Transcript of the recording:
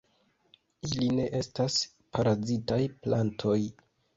Ili ne estas parazitaj plantoj.